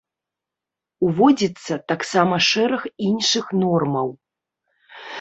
Уводзіцца таксама шэраг іншых нормаў.